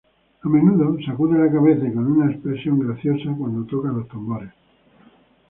A menudo sacude la cabeza y con una expresión graciosa cuando toca los tambores.